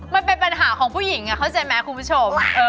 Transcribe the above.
มันเป็นปัญหาของผู้หญิงเข้าใจไหมคุณผู้ชม